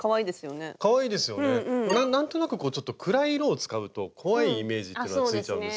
何となくこうちょっと暗い色を使うと怖いイメージってのがついちゃうんですけど。